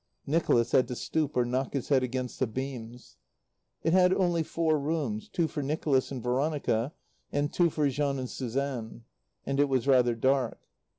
Nicholas had to stoop or knock his head against the beams. It had only four rooms, two for Nicholas and Veronica, and two for Jean and Suzanne. And it was rather dark.